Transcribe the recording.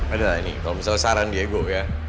ada ini kalau misalnya saran diego ya